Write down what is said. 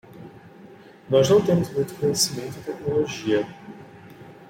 Nós não temos muito conhecimento e tecnologia